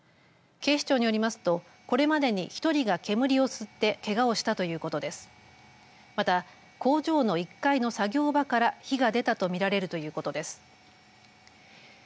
警視庁によりますとこれまでに１人が煙を吸ってけがをしたということです。